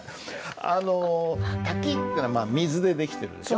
あの「滝」っていうのは水でできてるでしょ。